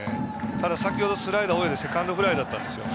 ただ、先程のスライダーはセカンドフライだったんですよ。